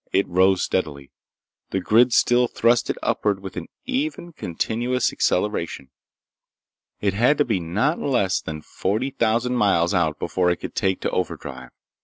It rose steadily. The grid still thrust it upward with an even, continuous acceleration. It had to be not less than forty thousand miles out before it could take to overdrive.